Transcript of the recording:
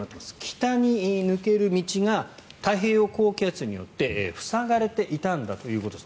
北に抜ける道が太平洋高気圧によって塞がれていたんだということです。